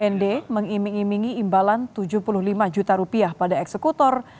nd mengiming imingi imbalan tujuh puluh lima juta rupiah pada eksekutor